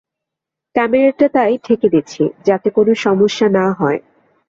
ক্যামেরাটা তাই ঢেকে দিচ্ছি, যাতে কোনো সমস্যা না হয়।